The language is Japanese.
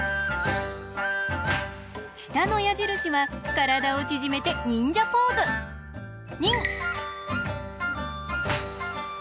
したのやじるしはからだをちぢめてにんじゃポーズ。にん！